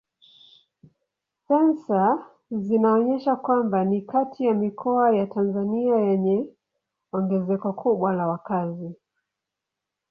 Sensa zinaonyesha kwamba ni kati ya mikoa ya Tanzania yenye ongezeko kubwa la wakazi.